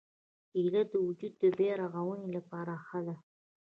کېله د وجود د بیا رغونې لپاره ښه ده.